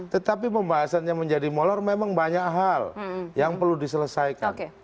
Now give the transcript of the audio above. tetapi pembahasannya menjadi molor memang banyak hal yang perlu diselesaikan